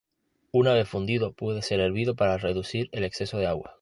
Una vez fundido puede ser hervido para reducir el exceso de agua.